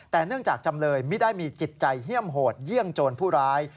แต่เนื่องจากจำเลยไม่ได้มีจิตใจเฮี่ยมโหดเยี่ยมโจรผู้ร้าย